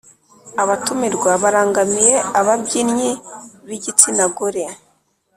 abatumirwa barangamiye ababyinnyi b’igitsina gore